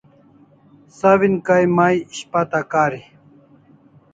Sawin kay may ishpata kari